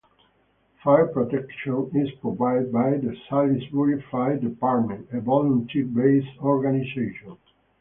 Fire protection is provided by the Salisbury Fire Department, a volunteer-based organization.